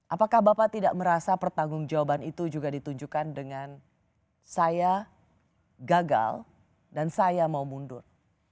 apakah bapak tidak merasa pertanggung jawaban itu juga ditunjukkan dengan saya gagal dan saya mau mundur